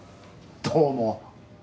どうも。